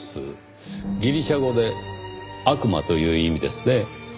ギリシャ語で「悪魔」という意味ですね。